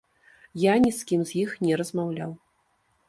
Я ні з кім з іх не размаўляў.